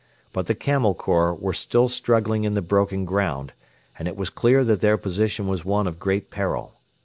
But the Camel Corps were still struggling in the broken ground, and it was clear that their position was one of great peril.